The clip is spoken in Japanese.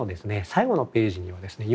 最後のページにはですね